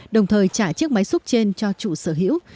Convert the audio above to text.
đồng thời trả chiếc máy xúc trên cho chủ sở hữu